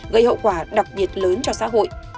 gây hậu quả đặc biệt lớn cho xã hội